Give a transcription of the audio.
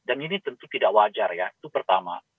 dan ini tentu tidak wajar ya itu pertama